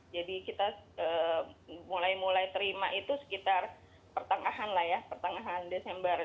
jadi kita mulai mulai terima itu sekitar pertengahan lah ya pertengahan desember